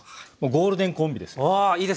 ゴールデンコンビ。